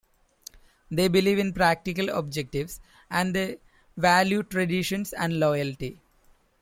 They believe in practical objectives, and they value traditions and loyalty.